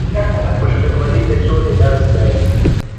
پښتونولي د سولې درس دی.